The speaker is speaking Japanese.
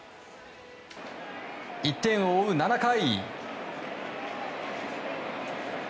１点を追う７回。